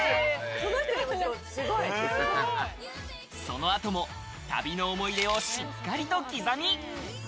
そのあとも旅の思い出をしっかりと刻み。